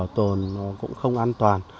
ở tồn cũng không an toàn